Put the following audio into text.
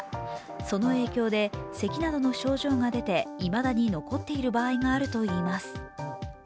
その影響でせきなどの症状が出ていまだに残っている場合があるといいます。